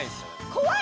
怖い！